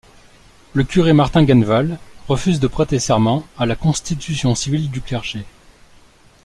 Le curé Martin Ganneval refuse de prêter serment à la constitution civile du clergé.